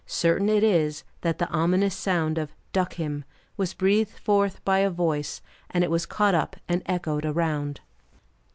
Certain it is, that the ominous sound of "Duck him," was breathed forth by a voice, and it was caught up and echoed around.